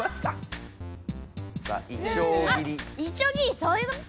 そういうことか。